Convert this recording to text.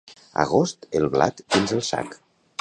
Agost, el blat dins el sac.